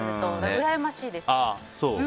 うらやましいです。